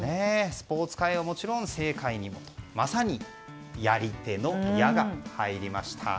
スポーツ界はもちろんまさに政界にもとやり手の「ヤ」が入りました。